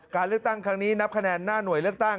การเลือกตั้งครั้งนี้นับคะแนนหน้าหน่วยเลือกตั้ง